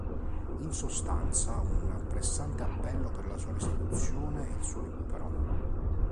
In sostanza un pressante appello per la sua restituzione e il suo recupero.